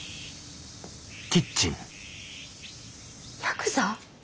ヤクザ！？